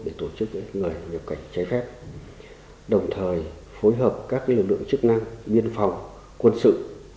để tổ chức người nhập cảnh trái phép đồng thời phối hợp các lực lượng chức năng biên phòng quân sự